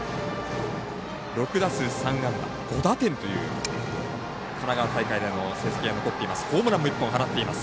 ６打数３安打５打点という神奈川大会での成績が残っています。